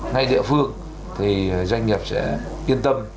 ngay địa phương thì doanh nghiệp sẽ yên tâm